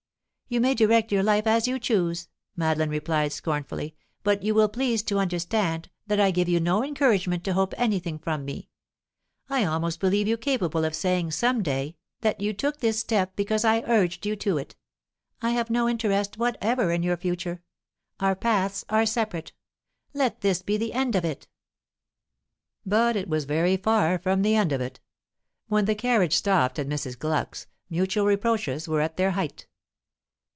"You may direct your life as you choose," Madeline replied scornfully, "but you will please to understand that I give you no encouragement to hope anything from me. I almost believe you capable of saying, some day, that you took this step because I urged you to it. I have no interest whatever in your future; our paths are separate. Let this be the end of it." But it was very far from the end of it. When the carriage stopped at Mrs. Gluck's, mutual reproaches were at their height.